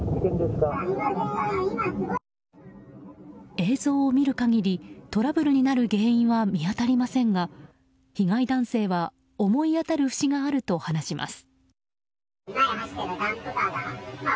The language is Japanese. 映像を見る限りトラブルになる原因は見当たりませんが、被害男性は思い当たる節があると話します。